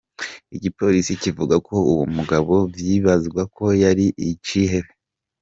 Igipolisi kivuga ko uwo mugabo vyibazwa ko yari icihebe.